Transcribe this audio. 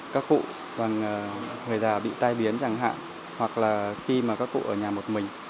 các cụ còn người già bị tai biến chẳng hạn hoặc là khi mà các cụ ở nhà một mình